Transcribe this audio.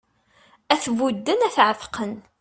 Ad t-budden ad t-εetqen